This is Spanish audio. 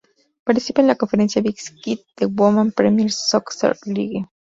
Participa en la conferencia Big Sky de la Women's Premier Soccer League.